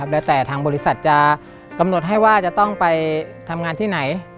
แล้วแต่ทางบริษัทจะกำหนดให้ว่าจะต้องไปทำงานที่ไหน